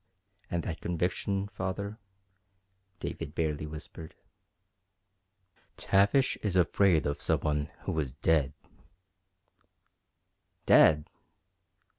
"And that conviction, Father?" David barely whispered. "Tavish is afraid of some one who is dead." "Dead!"